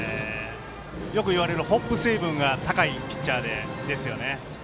よく言われるホップ成分が高いピッチャーですよね。